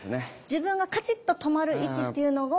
自分がカチっと止まる位置っていうのを。